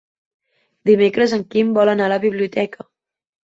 Dimecres en Quim vol anar a la biblioteca.